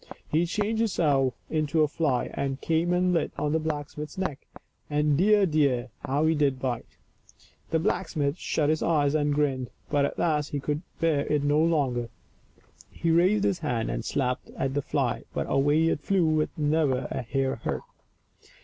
He changed himself into a fly, and came and lit on the blacksmith's neck, and dear, dear, how he did bite ! The blacksmith shut his eyes and grinned, but at last he could bear it no longer. He raised his hand and slapped at the fly, but away it flew with never a hair hurt.